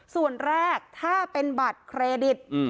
ส่วนแรกถ้าเป็นบัตรเครดิต